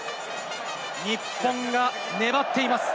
日本が粘っています。